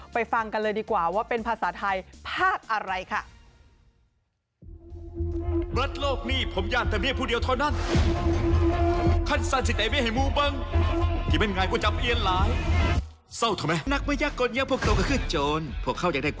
ฟังกันเลยดีกว่าว่าเป็นภาษาไทยภาคอะไรค่ะ